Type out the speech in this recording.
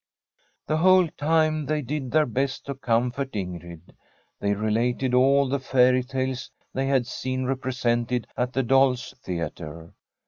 The whole time they did their best to comfort Ingrid. They related all the fairy tales they had seen represented at the dolls' theatre.